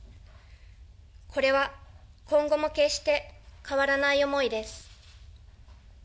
これは今後も決して変わらない思いです。